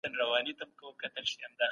د مغولو کړنو دولت ته استحکام ونه بخښه.